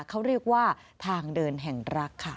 เขาเรียกว่าทางเดินแห่งรักค่ะ